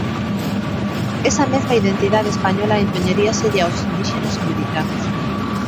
Esa mesma identidade española impoñeríaselle aos indíxenas americanos.